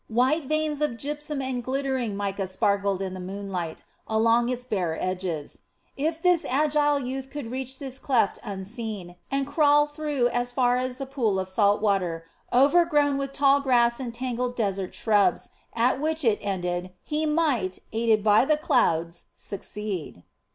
White veins of gypsum and glittering mica sparkled in the moonlight along its bare edges. If the agile youth could reach this cleft unseen, and crawl through as far as the pool of saltwater, overgrown with tall grass and tangled desert shrubs, at which it ended, he might, aided by the clouds, succeed.